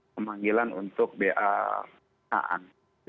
panggilan untuk ba saan